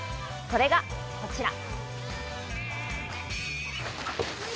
それがこちら。